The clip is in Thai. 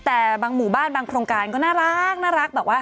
แต่บางหมู่บ้านบางโครงการก็น่ารักแบบว่า